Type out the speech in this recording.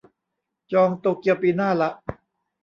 จองโตเกียวปีหน้าละ